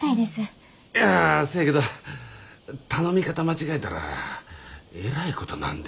いやせやけど頼み方間違えたらえらいことなんで？